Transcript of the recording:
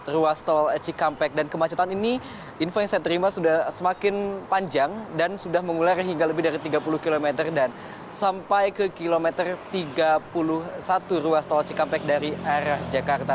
ruas tol cikampek dan kemacetan ini info yang saya terima sudah semakin panjang dan sudah mengular hingga lebih dari tiga puluh km dan sampai ke kilometer tiga puluh satu ruas tol cikampek dari arah jakarta